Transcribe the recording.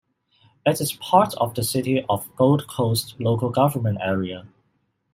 It is part of the City of Gold Coast local government area.